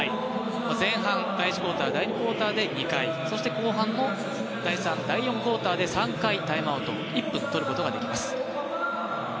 前半、第１クオーター、第２クオーターで２回そして、後半も第３、第４クオーターでタイムアウトを１分、とることができます。